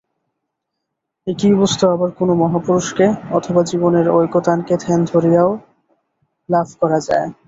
একই বস্তু আবার কোন মহাপুরুষকে, অথবা জীবনের ঐকতানকে ধ্যান করিয়াও লাভ করা যায়।